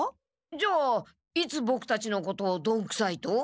じゃあいつボクたちのことをどんくさいと？